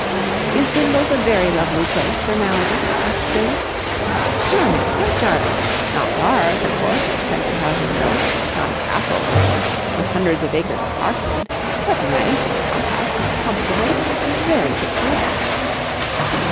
"Is Windles a very lovely place, Sir Mallaby?" asked Billie. "Charming. Quite charming. Not large, of course, as country houses go. Not a castle, I mean, with hundreds of acres of park land. But nice and compact and comfortable and very picturesque."